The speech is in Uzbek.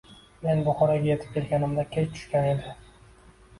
Men Buxoroga yetib kelganimda kech tushgan edi.